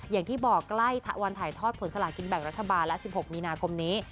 อย่างที่บอกใกล้วันถ่ายทอดผลสลากินแบ่งรัฐบาลและ๑๖มีนาคมนี้